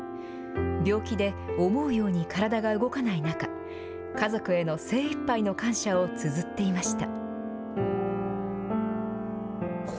病気で思うように体が動かない中家族への精いっぱいの感謝をつづっていました。